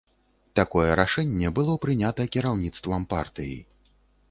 Такое рашэнне было прынята кіраўніцтвам партыі.